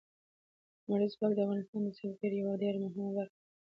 لمریز ځواک د افغانستان د سیلګرۍ یوه ډېره مهمه او اساسي برخه ده.